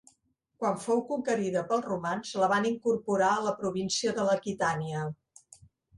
Quan fou conquerida pels romans la van incorporar a la província de l'Aquitània.